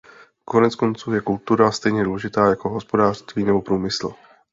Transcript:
Koneckonců je kultura stejně důležitá jako hospodářství nebo průmysl.